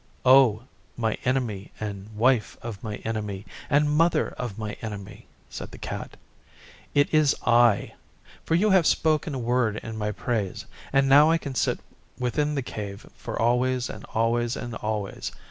'O my Enemy and Wife of my Enemy and Mother of my Enemy,' said the Cat, 'it is I: for you have spoken a word in my praise, and now I can sit within the Cave for always and always and always.